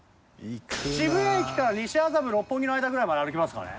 渋谷駅から西麻布六本木の間ぐらいまで歩きますかね。